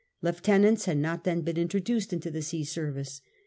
Lieutenants had not then been intro duced into the sea service.